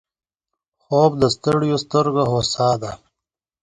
خوب د ستړیو سترګو هوسا ده